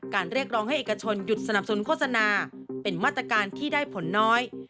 เรียกร้องให้เอกชนหยุดสนับสนุนโฆษณาเป็นมาตรการที่ได้ผลน้อย